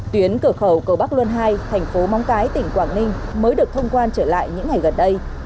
tuyến cửa khẩu cầu bắc luân hai thành phố móng cái tỉnh quảng ninh mới được thông quan trở lại những ngày gần đây